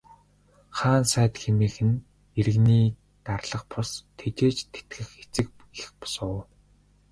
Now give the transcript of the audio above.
Хаан сайд хэмээх нь иргэнийг дарлах бус, тэжээж тэтгэх эцэг эх бус уу.